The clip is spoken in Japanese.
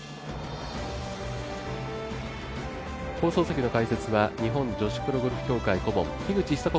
放送席の解説は日本女子プロゴルフ協会顧問樋口久子